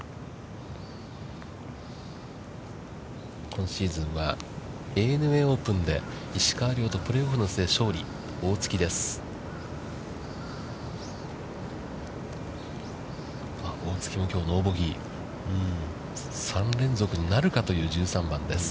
今シーズンはＡＮＡオープンで石川遼とプレーオフの末、勝利、大槻です。